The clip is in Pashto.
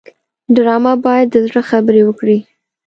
ډرامه باید د زړه خبرې وکړي